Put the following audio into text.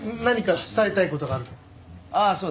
何か伝えたい事がある？